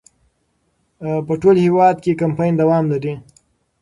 په ټول هېواد کې کمپاین دوام لري.